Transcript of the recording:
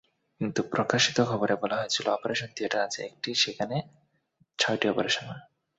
কিন্তু প্রকাশিত খবরে বলা হয়েছিল, অপারেশন থিয়েটার আছে একটি, সেখানে ছয়টি অপারেশন হয়।